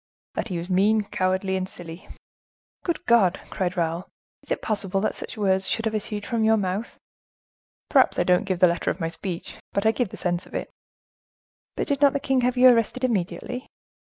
"That he was mean, cowardly, and silly." "Good God!" cried Raoul, "is it possible that such words should have issued from your mouth?" "Perhaps I don't give the letter of my speech, but I give the sense of it." "But did not the king have you arrested immediately?"